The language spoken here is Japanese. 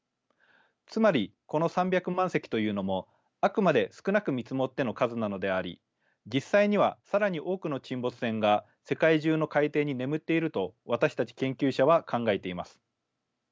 つまりこの３００万隻というのもあくまで少なく見積もっての数なのであり実際には更に多くの沈没船が世界中の海底に眠っていると私たち研究者は考えています。